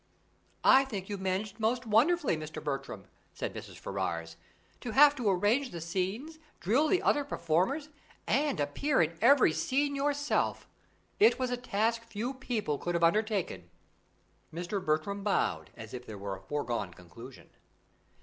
"I think you managed most wonderfully, Mr. Bertram," said Mrs. Ferrars. "To have to arrange the scenes, drill the other performers, and appear in every scene yourself! It was a task few people could have undertaken." Mr. Bertram bowed, as if there were a foregone conclusion.